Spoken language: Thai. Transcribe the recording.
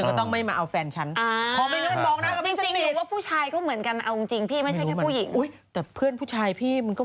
มันก็ไม่ได้แคร์ใช่ไหมคะ